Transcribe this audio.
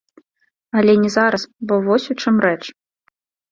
Але не зараз, бо вось у чым рэч.